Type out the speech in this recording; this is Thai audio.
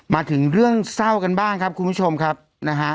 มาถึงเรื่องเศร้ากันบ้างครับคุณผู้ชมครับนะฮะ